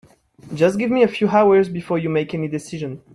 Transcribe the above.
Just give me a few hours before you make any decisions.